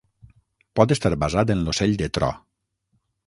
Pot estar basat en l'ocell de tro.